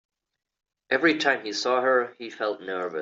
Every time he saw her, he felt nervous.